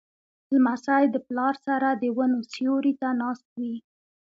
لمسی د پلار سره د ونو سیوري ته ناست وي.